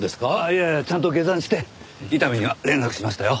いやいやちゃんと下山して伊丹には連絡しましたよ。